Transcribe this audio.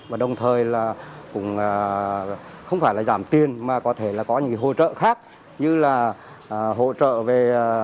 và đồng thời là cũng không phải là giảm tiền mà có thể là có những hỗ trợ khác như là hỗ trợ về